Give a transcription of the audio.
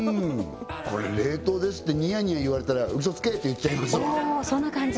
これ冷凍ですってニヤニヤ言われたらウソつけ！って言っちゃいますわおおそんな感じ？